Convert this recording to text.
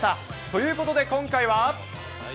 ということで、今回は。